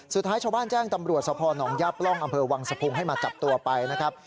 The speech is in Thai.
สุดท้ายชาวบ้านแจ้งตำรวจสภหนองย่าปล่องอำเภอวังสะพุงให้มาจับตัวไปนะครับ